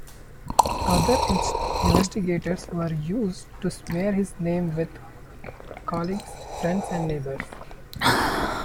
Other investigators were used to smear his name with colleagues, friends and neighbours.